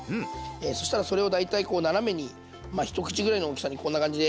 そしたらそれを大体こう斜めに一口ぐらいの大きさにこんな感じで切っていきます。